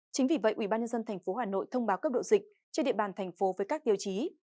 chính vì vậy ubnd tp hà nội thông báo cấp độ dịch trên địa bàn thành phố với các tiêu chí